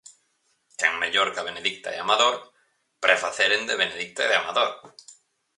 Quen mellor ca Benedicta e Amador pre faceren de Benedicta e de Amador?!